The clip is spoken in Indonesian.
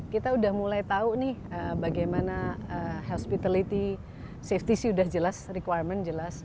kita udah mulai tahu nih bagaimana health safety sudah jelas requirement jelas